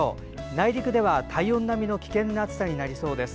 内陸では体温並みの危険な暑さになりそうです。